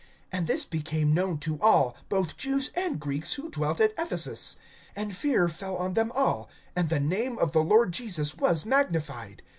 (17)And this became known to all, both Jews and Greeks, who dwelt at Ephesus; and fear fell on them all, and the name of the Lord Jesus was magnified.